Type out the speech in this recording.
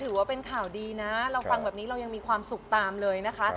ถือว่าเป็นข่าวดีนะเราฟังแบบนี้เรายังมีความสุขตามเลยนะคะ